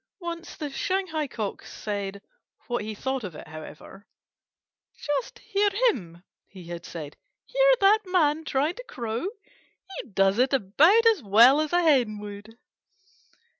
Once the Shanghai Cock said what he thought of it, however: "Just hear him!" he had said. "Hear that Man trying to crow! He does it about as well as a Hen would."